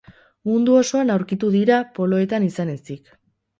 Mundu osoan aurkitu dira, poloetan izan ezik.